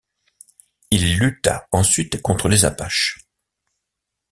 Il lutta ensuite contre les Apaches.